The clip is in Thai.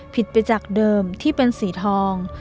ผิดไปจากเดิมที่เป็นสีทอง